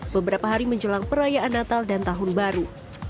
beberapa hari menjelang perayaan natal dan tahun baru